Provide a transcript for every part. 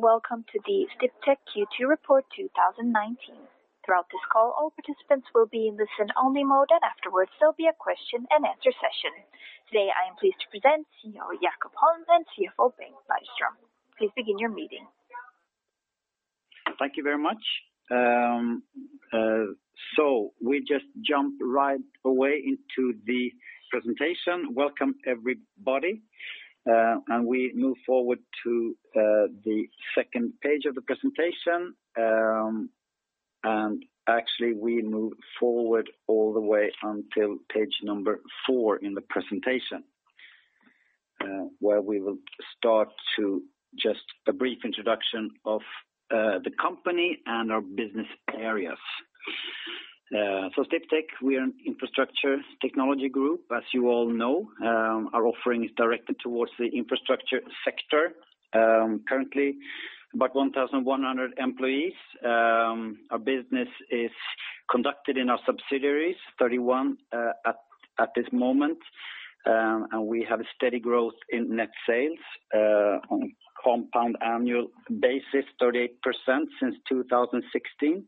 Welcome to the Sdiptech Q2 Report 2019. Throughout this call, all participants will be in listen only mode, and afterwards there'll be a question and answer session. Today, I am pleased to present CEO Jakob Holm and CFO Bengt Lejdström. Please begin your meeting. Thank you very much. We just jump right away into the presentation. Welcome, everybody. We move forward to the second page of the presentation. Actually, we move forward all the way until page number four in the presentation, where we will start to just a brief introduction of the company and our business areas. Sdiptech, we are an infrastructure technology group, as you all know. Our offering is directed towards the infrastructure sector, currently about 1,100 employees. Our business is conducted in our subsidiaries, 31 at this moment. We have a steady growth in net sales on a compound annual basis, 38% since 2016.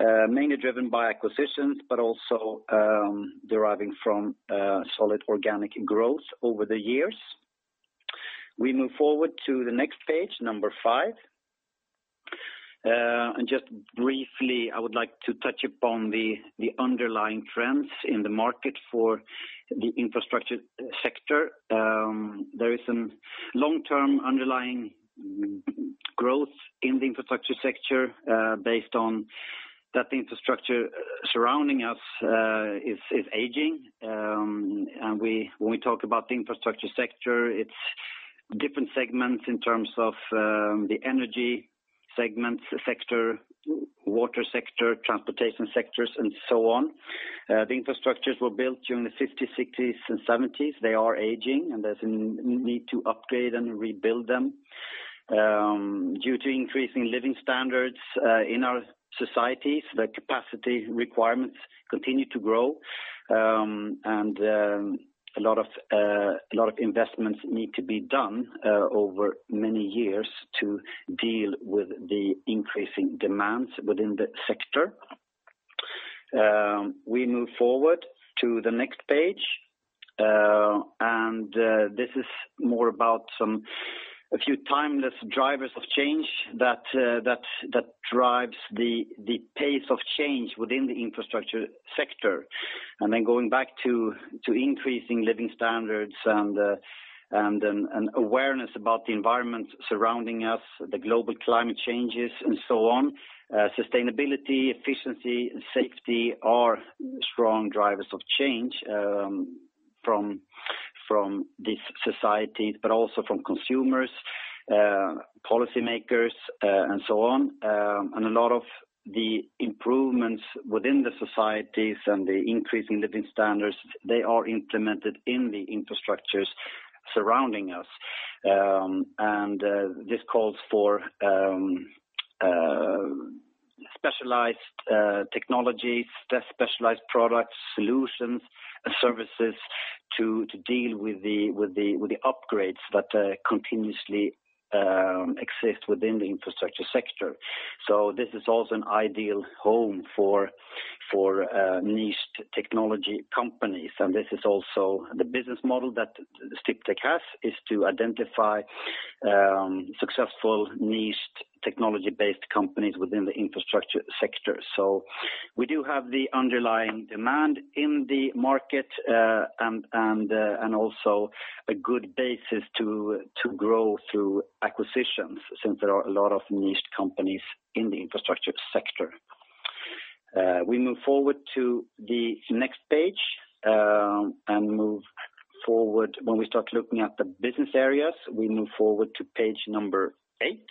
Mainly driven by acquisitions, but also deriving from solid organic growth over the years. We move forward to the next page number five. Just briefly, I would like to touch upon the underlying trends in the market for the infrastructure sector. There is some long-term underlying growth in the infrastructure sector based on that the infrastructure surrounding us is aging. When we talk about the infrastructure sector, it's different segments in terms of the energy segments sector, water sector, transportation sectors, and so on. The infrastructures were built during the '50s, '60s, and '70s. They are aging, and there's a need to upgrade and rebuild them. Due to increasing living standards in our societies, the capacity requirements continue to grow. A lot of investments need to be done over many years to deal with the increasing demands within the sector. We move forward to the next page. This is more about a few timeless drivers of change that drives the pace of change within the infrastructure sector. Going back to increasing living standards and awareness about the environment surrounding us, the global climate changes, and so on. Sustainability, efficiency, and safety are strong drivers of change from these societies, but also from consumers, policymakers, and so on. A lot of the improvements within the societies and the increase in living standards, they are implemented in the infrastructures surrounding us. This calls for specialized technologies, specialized products, solutions, and services to deal with the upgrades that continuously exist within the infrastructure sector. This is also an ideal home for niched technology companies, and this is also the business model that Sdiptech has, is to identify successful niched technology-based companies within the infrastructure sector. We do have the underlying demand in the market and also a good basis to grow through acquisitions since there are a lot of niche companies in the infrastructure sector. We move forward to the next page and move forward when we start looking at the business areas. We move forward to page number eight,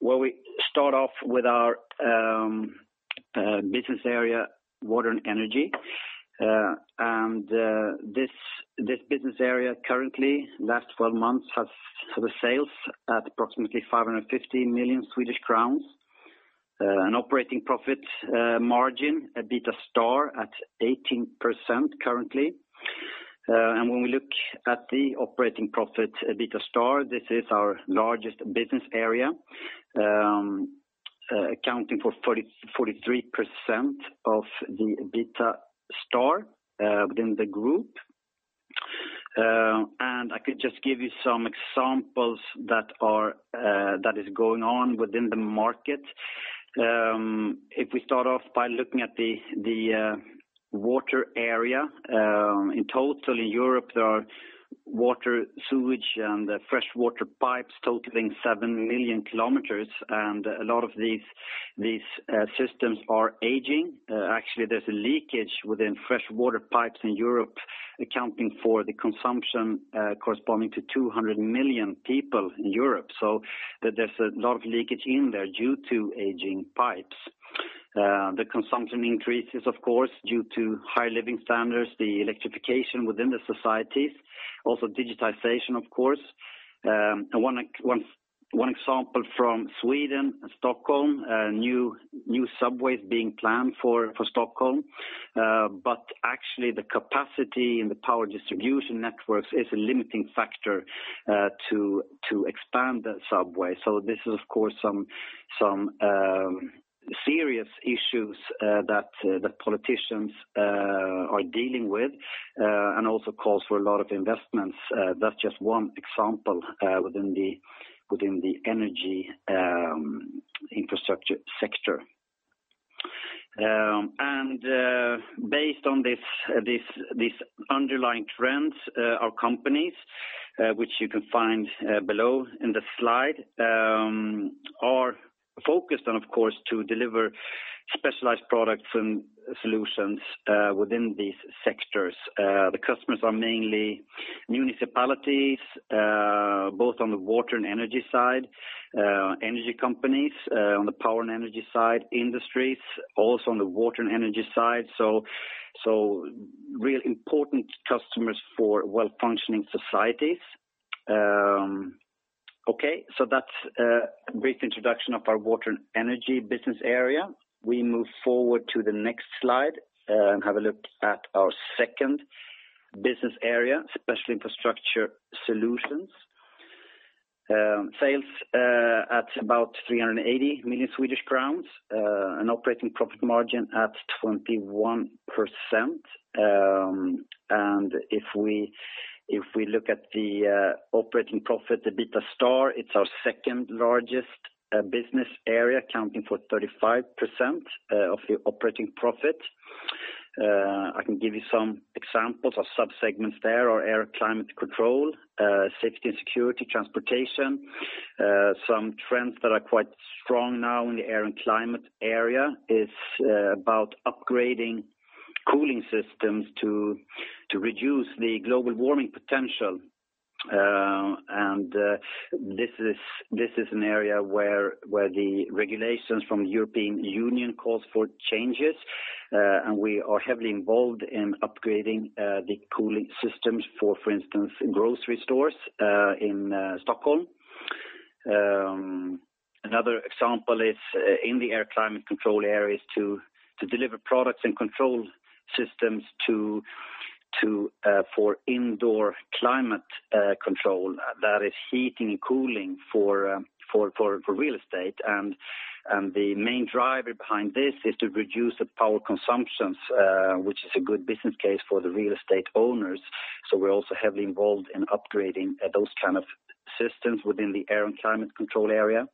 where we start off with our business area, Water & Energy. This business area currently, last 12 months, has for the sales at approximately 550 million Swedish crowns, an operating profit margin, EBITDA* at 18% currently. When we look at the operating profit EBITDA*, this is our largest business area accounting for 43% of the EBITDA* within the group. I could just give you some examples that is going on within the market. If we start off by looking at the water area. In total in Europe, there are water sewage and freshwater pipes totaling 7 million kilometers, and a lot of these systems are aging. Actually, there's a leakage within freshwater pipes in Europe accounting for the consumption corresponding to 200 million people in Europe. There's a lot of leakage in there due to aging pipes. The consumption increases, of course, due to high living standards, the electrification within the societies, also digitization, of course. One example from Sweden and Stockholm, new subways being planned for Stockholm. Actually, the capacity in the power distribution networks is a limiting factor to expand the subway. This is, of course, some serious issues that politicians are dealing with and also calls for a lot of investments. That's just one example within the energy infrastructure sector. Based on these underlying trends, our companies, which you can find below in the slide, are focused on, of course, to deliver specialized products and solutions within these sectors. The customers are mainly municipalities, both on the Water & Energy side, energy companies on the power and energy side, industries, also on the Water & Energy side. Really important customers for well-functioning societies. That's a brief introduction of our Water & Energy business area. We move forward to the next slide and have a look at our second business area, Special Infrastructure Solutions. Sales at about 380 million Swedish crowns, an operating profit margin at 21%. If we look at the operating profit, the EBITDA*, it's our second-largest business area, accounting for 35% of the operating profit. I can give you some examples of sub-segments there are Air, Climate & Control, Safety & Security, Transportation. Some trends that are quite strong now in the Air, Climate & Control area is about upgrading cooling systems to reduce the global warming potential. This is an area where the regulations from the European Union calls for changes, and we are heavily involved in upgrading the cooling systems for instance, grocery stores in Stockholm. Another example is in the Air, Climate & Control areas to deliver products and control systems for indoor climate control, that is heating and cooling for real estate. The main driver behind this is to reduce the power consumptions, which is a good business case for the real estate owners. We're also heavily involved in upgrading those kind of systems within the Air, Climate & Control area.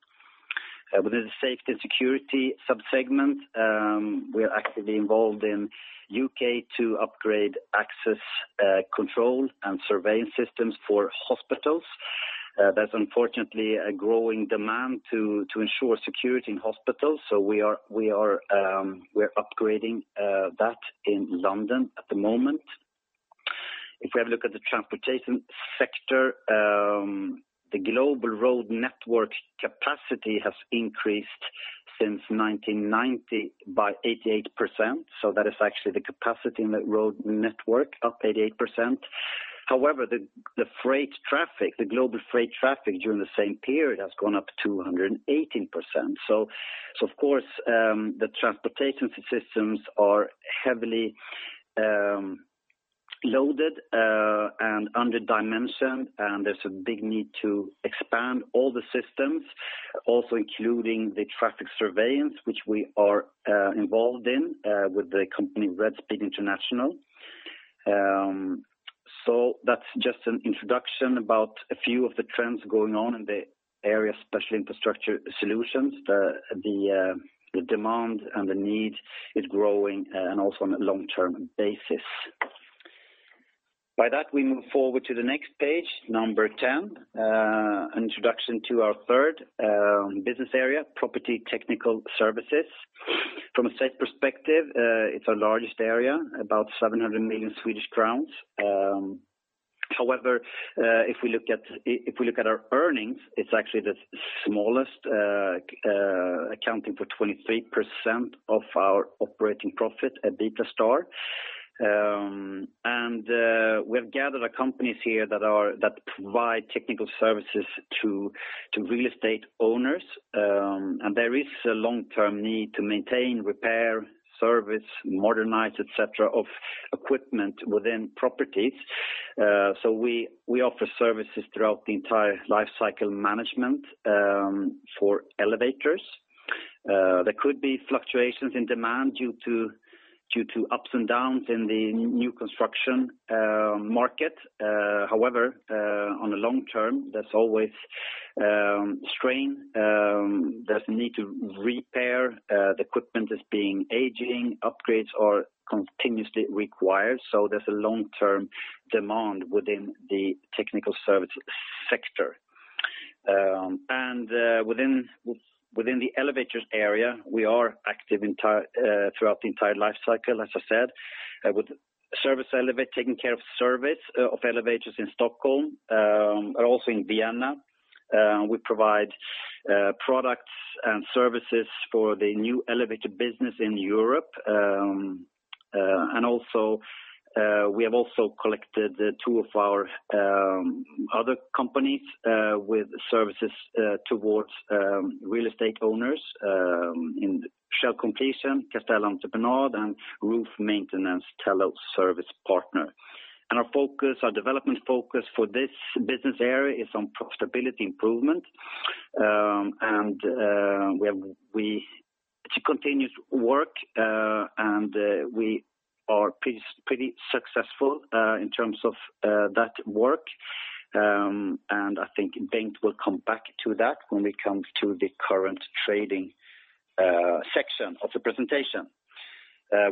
Within the Safety & Security sub-segment, we are actively involved in U.K. to upgrade access control and surveillance systems for hospitals. That's unfortunately a growing demand to ensure security in hospitals. We're upgrading that in London at the moment. If we have a look at the transportation sector, the global road network capacity has increased since 1990 by 88%. That is actually the capacity in the road network up 88%. However, the global freight traffic during the same period has gone up 218%. Of course, the transportation systems are heavily loaded, and under-dimensioned, and there's a big need to expand all the systems, also including the traffic surveillance, which we are involved in with the company Redspeed International. That's just an introduction about a few of the trends going on in the area, Special Infrastructure Solutions. The demand and the need is growing and also on a long-term basis. By that, we move forward to the next page, number 10, introduction to our third business area, Property Technical Services. From a sales perspective, it's our largest area, about 700 million Swedish crowns. However, if we look at our earnings, it's actually the smallest, accounting for 23% of our operating profit at EBITDA*. We've gathered our companies here that provide technical services to real estate owners. There is a long-term need to maintain, repair, service, modernize, et cetera, of equipment within properties. We offer services throughout the entire life cycle management for elevators. There could be fluctuations in demand due to ups and downs in the new construction market. However, on a long term, there's always strain. There's a need to repair. The equipment is being aging. Upgrades are continuously required. There's a long-term demand within the technical service sector. Within the elevators area, we are active throughout the entire life cycle, as I said, with taking care of service of elevators in Stockholm, and also in Vienna. We provide products and services for the new elevator business in Europe. We have also collected two of our other companies with services towards real estate owners in shell completion, Castella Entreprenad, and roof maintenance, Tello Service Partner. Our development focus for this business area is on profitability improvement. It's a continuous work, and we are pretty successful in terms of that work. I think Bengt will come back to that when we come to the current trading section of the presentation.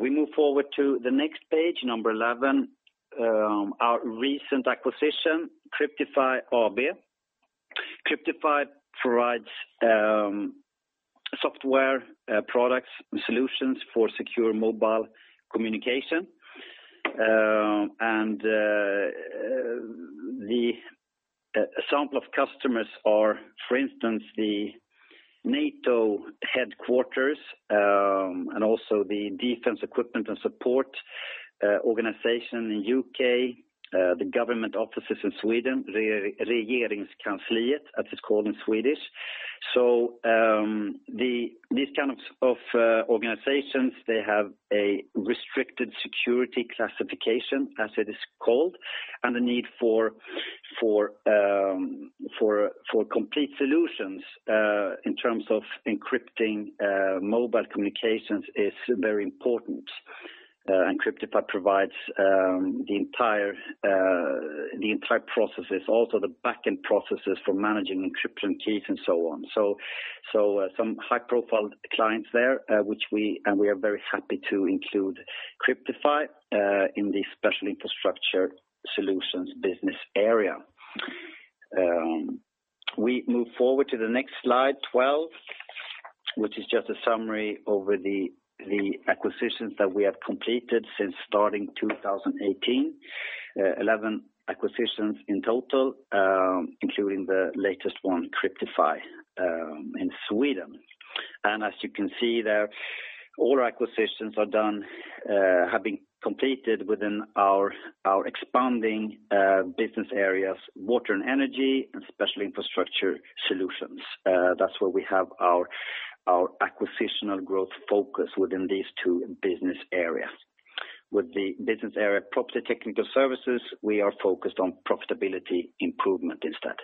We move forward to the next page, number 11. Our recent acquisition, Cryptify AB. Cryptify provides software products and solutions for secure mobile communication. A sample of customers are, for instance, the NATO headquarters, and also the Defence Equipment and Support organization in U.K., the government offices in Sweden, Regeringskansliet, as it is called in Swedish. These kinds of organizations, they have a restricted security classification, as it is called, and a need for complete solutions in terms of encrypting mobile communications is very important. Cryptify provides the entire processes, also the backend processes for managing encryption keys and so on. Some high-profile clients there, and we are very happy to include Cryptify in the Special Infrastructure Solutions business area. We move forward to the next slide, 12, which is just a summary over the acquisitions that we have completed since starting 2018. 11 acquisitions in total, including the latest one, Cryptify, in Sweden. As you can see there, all acquisitions have been completed within our expanding business areas, Water & Energy and Special Infrastructure Solutions. That's where we have our acquisitional growth focus within these two business areas. With the business area, Property Technical Services, we are focused on profitability improvement instead.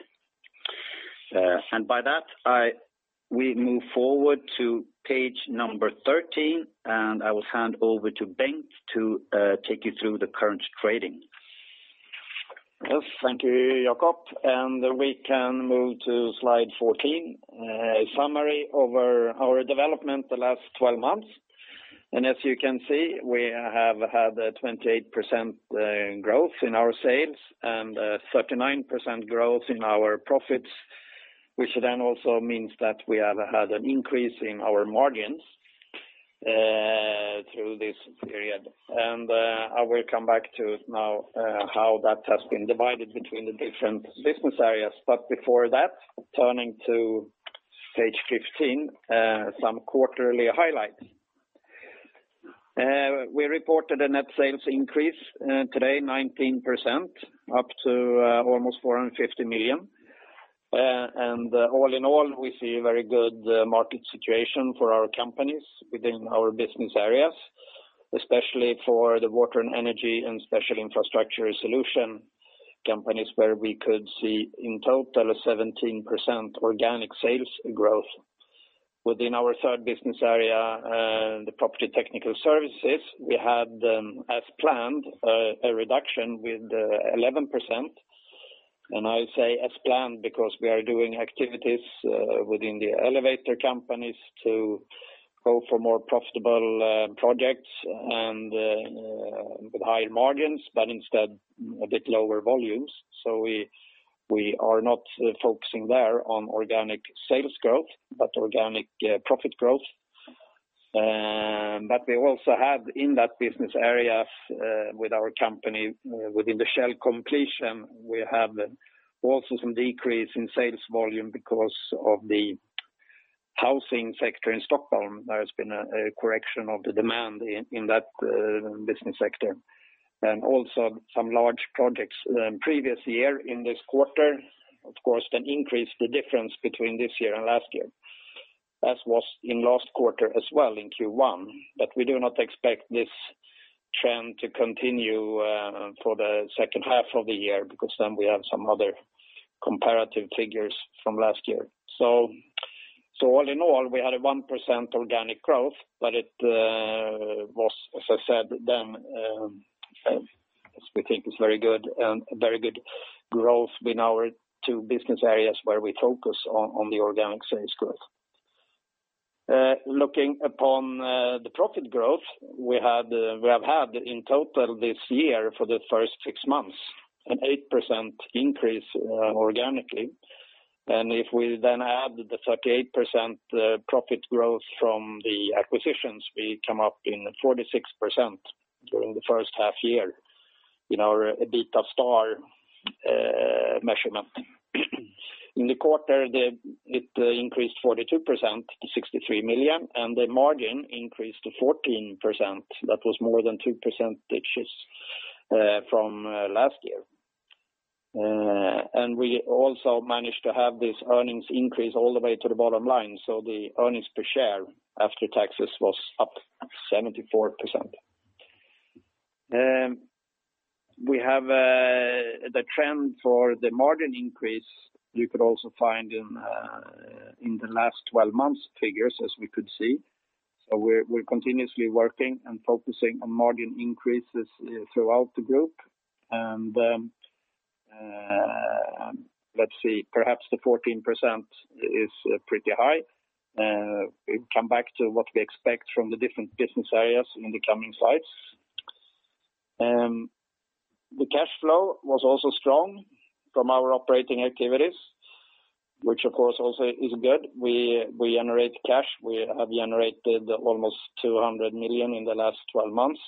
By that, we move forward to page 13, and I will hand over to Bengt to take you through the current trading. Yes. Thank you, Jakob. We can move to slide 14. A summary over our development the last 12 months. As you can see, we have had a 28% growth in our sales and a 39% growth in our profits, which then also means that we have had an increase in our margins through this period. I will come back to now how that has been divided between the different business areas. Before that, turning to page 15, some quarterly highlights. We reported a net sales increase today, 19%, up to almost 450 million. All in all, we see a very good market situation for our companies within our business areas, especially for the Water & Energy and Special Infrastructure Solutions companies, where we could see, in total, a 17% organic sales growth. Within our third business area, the Property Technical Services, we had, as planned, a reduction with 11%. I say as planned because we are doing activities within the elevator companies to go for more profitable projects and with higher margins, but instead a bit lower volumes. We are not focusing there on organic sales growth, but organic profit growth. We also have, in that business area, with our company within the shell completion, we have also some decrease in sales volume because of the housing sector in Stockholm. There has been a correction of the demand in that business sector. Also some large projects previous year in this quarter, of course, then increased the difference between this year and last year, as was in last quarter as well in Q1. We do not expect this trend to continue for the second half of the year because then we have some other comparative figures from last year. All in all, we had a 1% organic growth, but it was, as I said, we think it's very good growth in our two business areas where we focus on the organic sales growth. Looking upon the profit growth, we have had in total this year for the first six months an 8% increase organically. If we add the 38% profit growth from the acquisitions, we come up in 46% during the first half year. In our EBITDA* measurement. In the quarter, it increased 42% to 63 million, and the margin increased to 14%. That was more than two percentage points from last year. We also managed to have this earnings increase all the way to the bottom line, so the earnings per share after taxes was up 74%. We have the trend for the margin increase, you could also find in the last 12 months figures as we could see. We're continuously working and focusing on margin increases throughout the group. Let's see, perhaps the 14% is pretty high. We come back to what we expect from the different business areas in the coming slides. The cash flow was also strong from our operating activities, which of course also is good. We generate cash. We have generated almost 200 million in the last 12 months.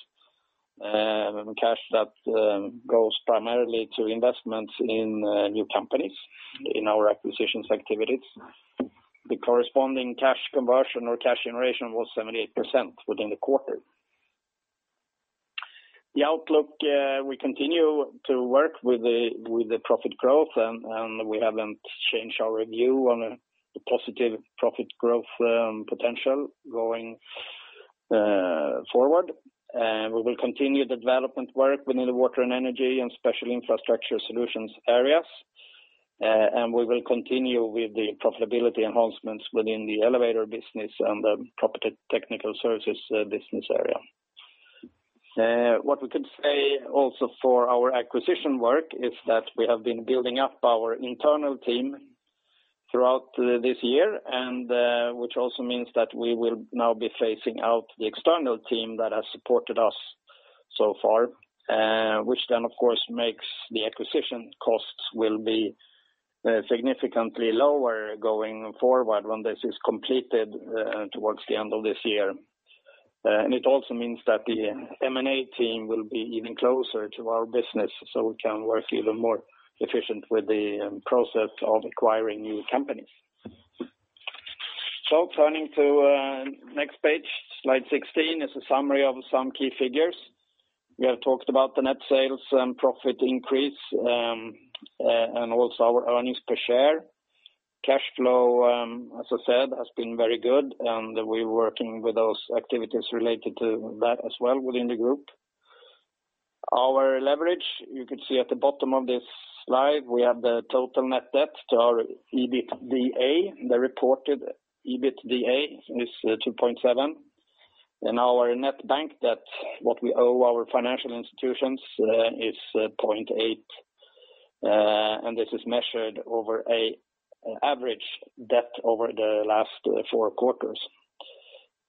Cash that goes primarily to investments in new companies in our acquisitions activities. The corresponding cash conversion or cash generation was 78% within the quarter. The outlook, we continue to work with the profit growth, we haven't changed our view on the positive profit growth potential going forward. We will continue the development work within the Water & Energy and Special Infrastructure Solutions areas. We will continue with the profitability enhancements within the elevator business and the Property Technical Services business area. What we could say also for our acquisition work is that we have been building up our internal team throughout this year, which also means that we will now be phasing out the external team that has supported us so far, which then, of course, makes the acquisition costs will be significantly lower going forward when this is completed towards the end of this year. It also means that the M&A team will be even closer to our business so we can work even more efficient with the process of acquiring new companies. Turning to next page, slide 16, is a summary of some key figures. We have talked about the net sales and profit increase, and also our earnings per share. Cash flow, as I said, has been very good, and we're working with those activities related to that as well within the group. Our leverage, you could see at the bottom of this slide, we have the total net debt to our EBITDA. The reported EBITDA is 2.7, and our net bank debt, what we owe our financial institutions, is 0.8. This is measured over an average debt over the last four quarters.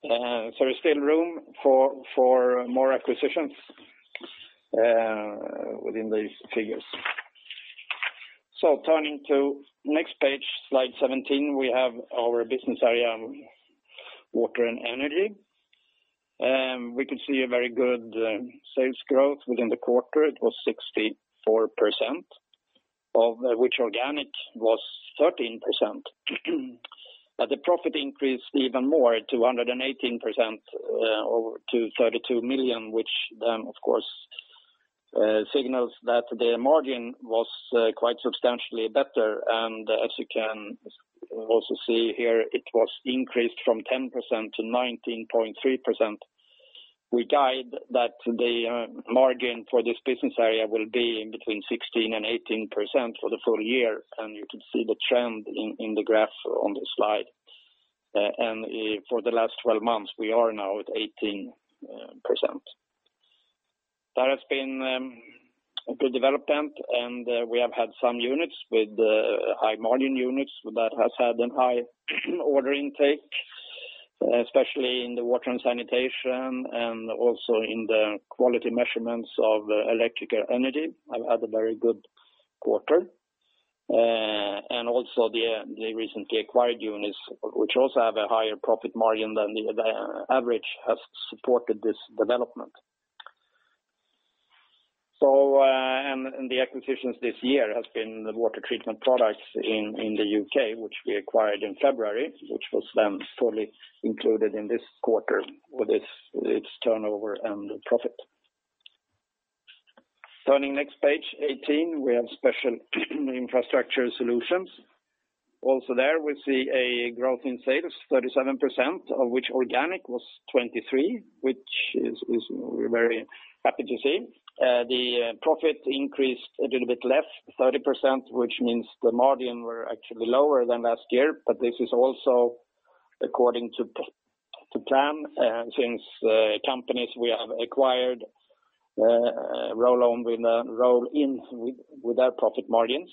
There's still room for more acquisitions within these figures. Turning to next page, slide 17, we have our business area, Water & Energy. We could see a very good sales growth within the quarter. It was 64%, of which organic was 13%. The profit increased even more to 118% or to 32 million, which then, of course, signals that the margin was quite substantially better. As you can also see here, it was increased from 10% to 19.3%. We guide that the margin for this business area will be in between 16% and 18% for the full year, and you can see the trend in the graph on the slide. For the last 12 months, we are now at 18%. That has been a good development, we have had some units with the high margin units that has had a high order intake, especially in the water and sanitation, and also in the quality measurements of electrical energy, have had a very good quarter. Also the recently acquired units, which also have a higher profit margin than the average, has supported this development. The acquisitions this year has been the Water Treatment Products in the U.K., which we acquired in February, which was then fully included in this quarter with its turnover and profit. Turning next page 18, we have Special Infrastructure Solutions. Also there, we see a growth in sales, 37%, of which organic was 23%, which we are very happy to see. The profit increased a little bit less, 30%, which means the margin were actually lower than last year. This is also according to plan since companies we have acquired roll in with their profit margins.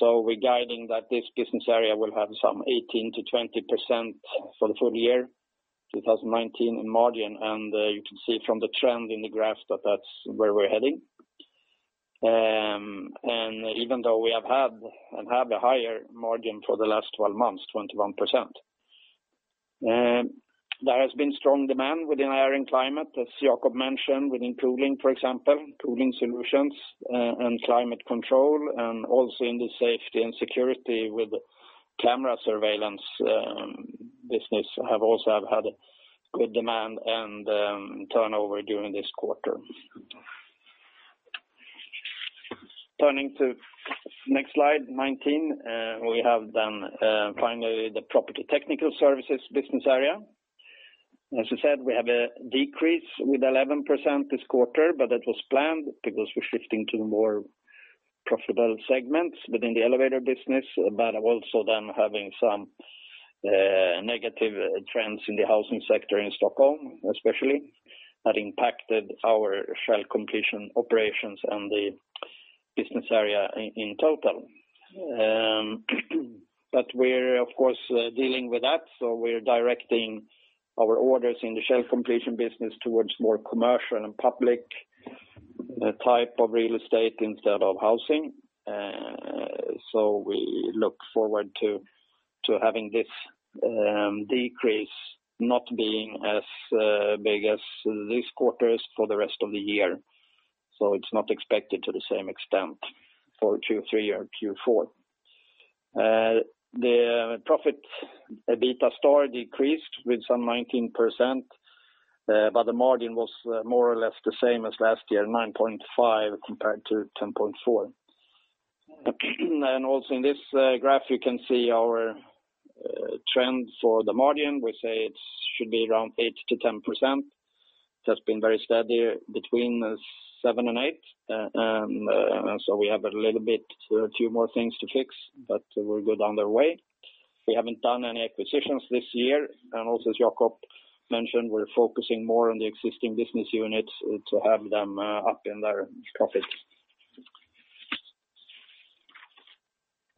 We're guiding that this business area will have some 18%-20% for the Full Year 2019 in margin, and you can see from the trend in the graph that that's where we're heading. Even though we have had and have a higher margin for the last 12 months, 21%. There has been strong demand within Air & Climate, as Jakob mentioned, within cooling, for example, cooling solutions and climate control, and also in the Safety & Security with camera surveillance business have also had good demand and turnover during this quarter. Turning to next slide, 19. We have finally the Property Technical Services business area. As I said, we have a decrease with 11% this quarter, but that was planned because we're shifting to the more profitable segments within the elevator business, but also then having some negative trends in the housing sector in Stockholm, especially, that impacted our shell completion operations and the business area in total. We're of course, dealing with that, so we're directing our orders in the shell completion business towards more commercial and public type of real estate instead of housing. We look forward to having this decrease not being as big as this quarter's for the rest of the year. It's not expected to the same extent for Q3 or Q4. The profit EBITDA* decreased with some 19%, but the margin was more or less the same as last year, 9.5% compared to 10.4%. Also in this graph, you can see our trend for the margin. We say it should be around 8%-10%. That's been very steady between 7% and 8%. We have a few more things to fix, but we're good on the way. We haven't done any acquisitions this year. Also as Jakob mentioned, we're focusing more on the existing business units to have them up in their profits.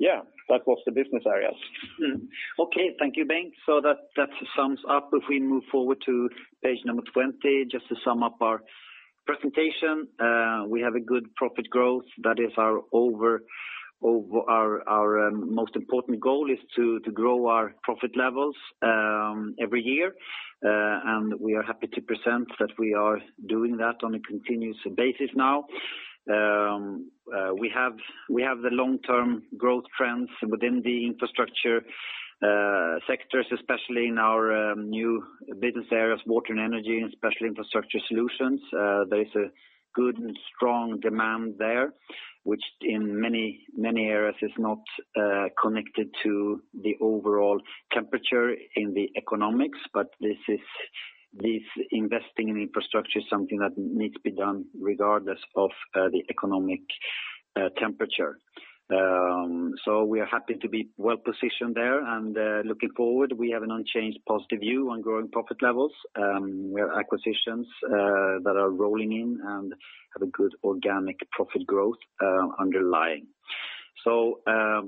Yeah, that was the business areas. Okay. Thank you, Bengt. That sums up. If we move forward to page number 20, just to sum up our presentation. We have a good profit growth. Our most important goal is to grow our profit levels every year. We are happy to present that we are doing that on a continuous basis now. We have the long-term growth trends within the infrastructure sectors, especially in our new business areas, Water & Energy, and Special Infrastructure Solutions. There is a good and strong demand there, which in many areas is not connected to the overall temperature in the economics. This investing in infrastructure is something that needs to be done regardless of the economic temperature. We are happy to be well-positioned there and looking forward, we have an unchanged positive view on growing profit levels, where acquisitions that are rolling in and have a good organic profit growth underlying.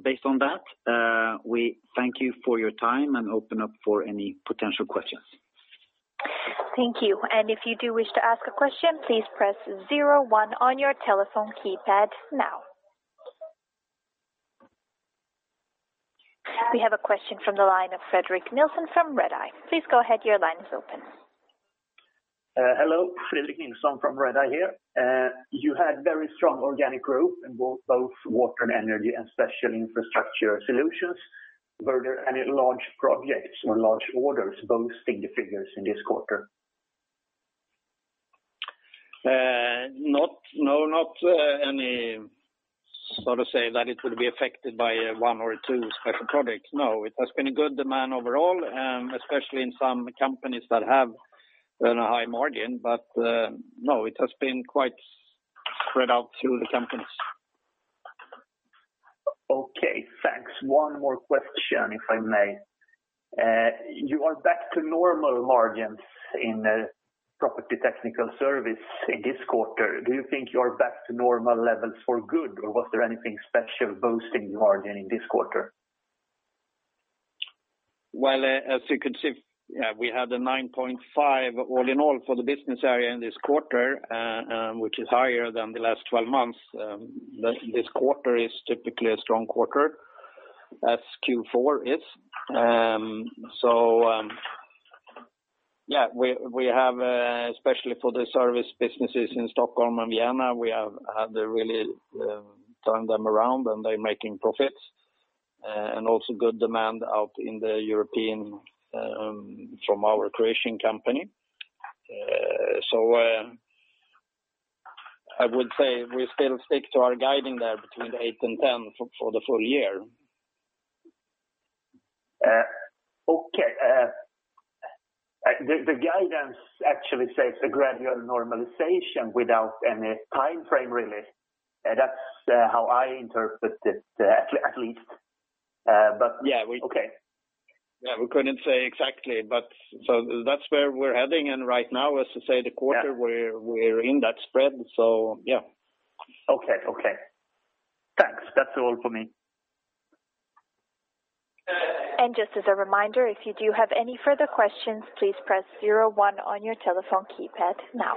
Based on that, we thank you for your time and open up for any potential questions. Thank you. If you do wish to ask a question, please press zero one on your telephone keypad now. We have a question from the line of Fredrik Nilsson from Redeye. Please go ahead. Your line is open. Hello. Fredrik Nilsson from Redeye here. You had very strong organic growth in both Water & Energy and Special Infrastructure Solutions. Were there any large projects or large orders boosting the figures in this quarter? No, not any, sort of say that it would be affected by one or two special projects. No, it has been a good demand overall, especially in some companies that have a high margin. No, it has been quite spread out through the companies. Okay. Thanks. One more question, if I may. You are back to normal margins in Property Technical Services in this quarter. Do you think you're back to normal levels for good, or was there anything special boosting margin in this quarter? Well, as you can see, we had a 9.5% all in all for the business area in this quarter, which is higher than the last 12 months. This quarter is typically a strong quarter as Q4 is. Yeah, especially for the service businesses in Stockholm and Vienna, we have had to really turn them around, and they're making profits, and also good demand out in the European from our Croatian company. I would say we still stick to our guiding there between the 8% and 10% for the full year. Okay. The guidance actually says a gradual normalization without any timeframe, really. That's how I interpret it, at least. Okay. Yeah. We couldn't say exactly, but that's where we're heading. Right now, as to say the quarter where we're in that spread, so yeah. Okay. Thanks. That's all for me. Just as a reminder, if you do have any further questions, please press zero one on your telephone keypad now.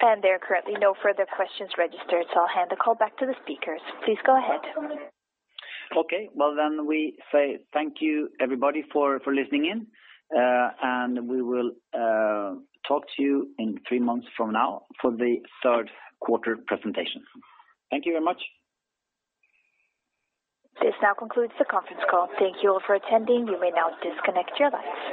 There are currently no further questions registered, so I'll hand the call back to the speakers. Please go ahead. Okay. Well, we say thank you everybody for listening in, and we will talk to you in three months from now for the third quarter presentation. Thank you very much. This now concludes the conference call. Thank you all for attending. You may now disconnect your lines.